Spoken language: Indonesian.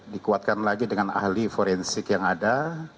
dikuatkan lagi dengan ahli forensik yang ada